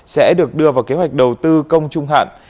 sẽ được đưa vào kế hoạch đầu tư công trung hạn